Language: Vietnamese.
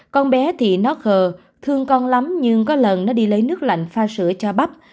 con bé thì nó khờ thương con lắm nhưng có lần nó đi lấy nước lạnh pha sữa cho bắp